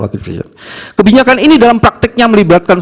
kebijakan ini dalam prakteknya melibatkan